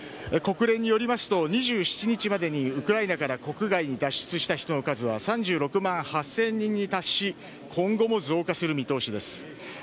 国連によりますと、２７日までにウクライナから国外に脱出した人の数は３６万８０００人に達し、今後も増加する見通しです。